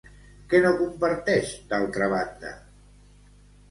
Què no comparteix, d'altra banda?